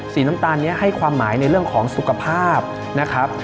สีน้ำตาลนี้ให้ความหมายในเรื่องของสุขภาพนะครับ